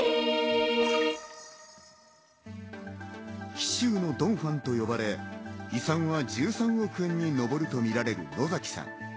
紀州のドン・ファンと呼ばれ、遺産は１３億円にのぼるとみられる野崎さん。